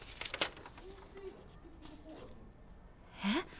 えっ？